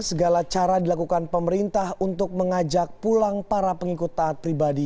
segala cara dilakukan pemerintah untuk mengajak pulang para pengikut taat pribadi